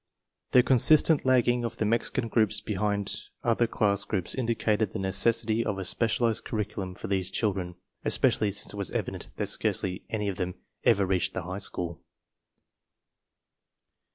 The consistent lagging of the Mexican groups behind other class groups indicated the necessity of a specialized curriculum for these children, especially since it was evident that scarcely any of them ever reached the high school.